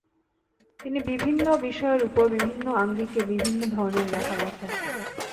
তিনি বিভিন্ন বিষয়ের ওপর বিভিন আঙ্গিকে বিভিন ধরনের লেখা লেখেন।